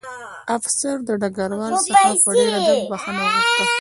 افسر له ډګروال څخه په ډېر ادب بښنه وغوښته